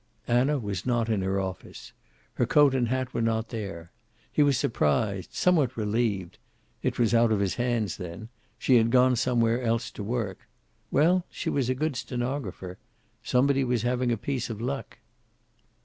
Anna was not in her office. Her coat and hat were not there. He was surprised, somewhat relieved. It was out of his hands, then; she had gone somewhere else to work. Well, she was a good stenographer. Somebody was having a piece of luck.